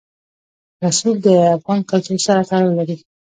رسوب د افغان کلتور سره تړاو لري.